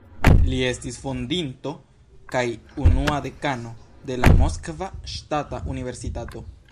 Li estis fondinto kaj unua dekano de la Moskva Ŝtata Universitato.